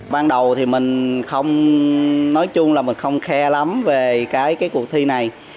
ban đầu thì mình không nói chung là mình không khe lắm về cái cuộc thi này